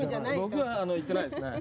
僕は行ってないですね。